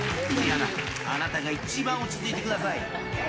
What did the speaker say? あなたが一番落ち着いてください。